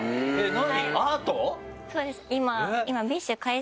何？